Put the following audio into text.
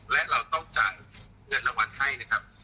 และเราต้องจ่ายเงินรางวัลให้นะครับ